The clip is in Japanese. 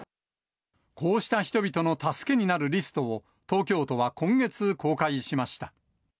こうした人々の助けになるリストを、東京都は今月、公開しました。